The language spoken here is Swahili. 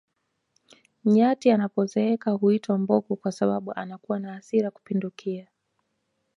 nyati anapozeeka huitwa mbogo kwa sababu anakuwa na hasira kupindukia